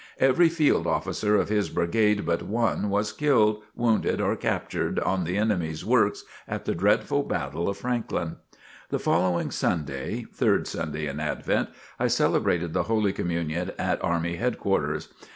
Every field officer of his brigade but one, was killed, wounded or captured on the enemy's works at the dreadful battle of Franklin. The following Sunday, (Third Sunday in Advent,) I celebrated the Holy Communion at army headquarters.